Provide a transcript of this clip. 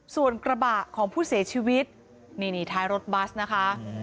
ส่วนกระบะของผู้เสียชีวิตนี่ท้ายรถบัสนะคะ